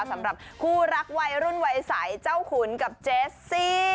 สำหรับคู่รักวัยรุ่นวัยใสเจ้าขุนกับเจสซี่